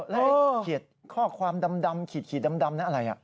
แล้วเขียนข้อความดำขีดดำนั้นอะไร